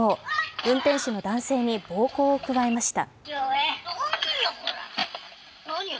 運転手の男性に暴行を加えました。